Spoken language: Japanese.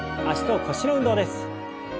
脚と腰の運動です。